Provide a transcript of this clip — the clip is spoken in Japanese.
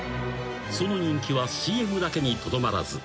［その人気はＣＭだけにとどまらず］